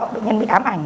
bệnh nhân bị ám ảnh